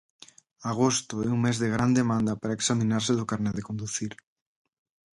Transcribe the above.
Agosto é un mes de gran demanda para examinarse do carné de conducir.